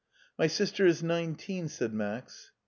" My sister is nineteen," said Max.